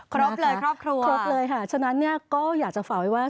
ครบเลยครอบครัวครบเลยค่ะฉะนั้นเนี่ยก็อยากจะฝากไว้ว่า